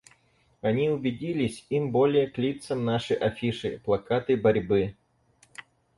Они убедились — им более к лицам наши афиши, плакаты борьбы.